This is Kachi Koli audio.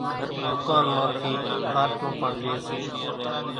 ڌُوڪان مان ٿي کارچون پڻ لئي سي،